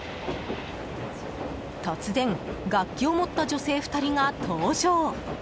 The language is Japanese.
突然、楽器を持った女性２人が登場！